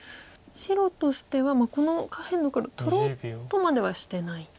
白としてはこの下辺の黒取ろうとまではしてない。